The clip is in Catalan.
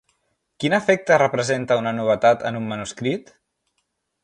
Quin efecte representa una novetat en un manuscrit?